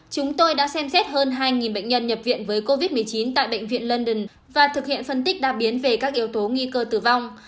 chúng tôi đã xem xét hơn hai bệnh nhân nhập viện với covid một mươi chín tại bệnh viện london và thực hiện phân tích đa biến về các yếu tố nguy cơ tử vong